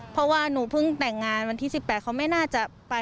เพราะว่าหนูเพิ่งแต่งงานวันที่๑๘เขาไม่น่าจะไป